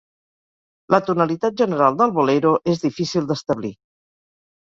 La tonalitat general del Bolero és difícil d'establir.